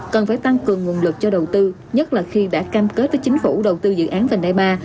cần phải tăng cường nguồn lực cho đầu tư nhất là khi đã cam kết với chính phủ đầu tư dự án vành đai ba